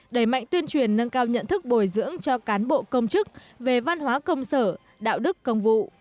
đẩy mạnh tuyên truyền nâng cao nhận thức bồi dưỡng cho cán bộ công chức về văn hóa công sở đạo đức công vụ